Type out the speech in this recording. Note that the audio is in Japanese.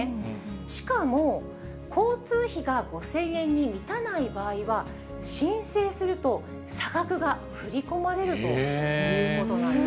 しかも、交通費が５０００円に満たない場合は、申請すると差額が振り込まれるということなんです。